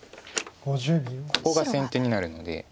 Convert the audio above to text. ここが先手になるので。